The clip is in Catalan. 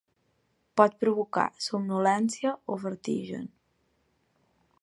Pot provocar somnolència o vertigen.